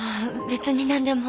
別に何でも。